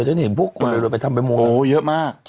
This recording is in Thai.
ฉันเห็นพวกคนเราไปทำประมูลโอ้เยอะมาก